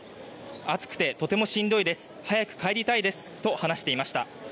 暑くてとてもしんどいです。早く帰りたいですと話していました。